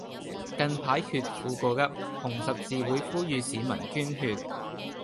近排血庫告急，紅十字會呼籲市民捐血